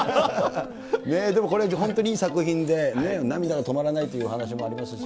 でもこれ、本当にいい作品で、涙が止まらないというお話もありますし。